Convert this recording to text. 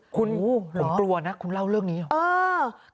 คุณผมกลัวนะคุณเล่าเรื่องนี้หรอ